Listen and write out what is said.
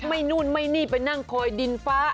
นู่นไม่นี่ไปนั่งคอยดินฟ้า